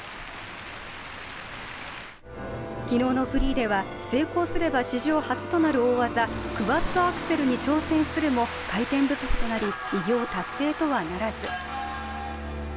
昨日のフリーでは成功すれば史上初となる大技クワッドアクセルに挑戦するも回転不足となり偉業達成とはならず。